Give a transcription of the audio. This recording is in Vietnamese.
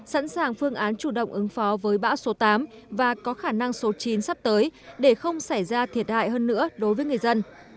sẵn sàng phương án chủ động ứng phó với bão số tám và có khả năng số chín sắp tới để không xảy ra thiệt hại hơn nữa đối với người dân